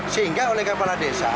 sehingga oleh kepala desa